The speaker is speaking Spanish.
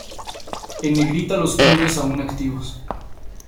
En negrita los clubes aún activos.